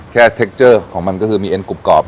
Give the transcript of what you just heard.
เทคเจอร์ของมันก็คือมีเอ็นกรุบกรอบ